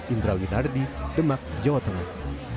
indra winar di demak jawa tengah